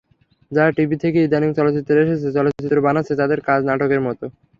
যারা টিভি থেকে ইদানীং চলচ্চিত্রে এসেছে, চলচ্চিত্র বানাচ্ছে, তাদের কাজ নাটকের মতো।